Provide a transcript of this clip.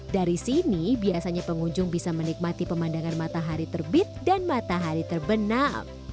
dari sini biasanya pengunjung bisa menikmati pemandangan matahari terbit dan matahari terbenam